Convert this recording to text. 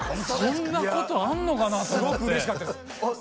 そんなことあんのかなと思ってすごく嬉しかったですあっ